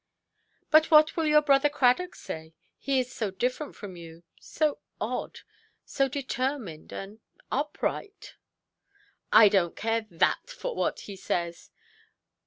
"But what will your brother Cradock say? He is so different from you. So odd, so determined and—upright". "I donʼt care that for what he says.